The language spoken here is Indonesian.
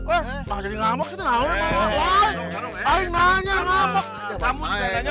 eh nggak jadi ngamuk sih tenang tenang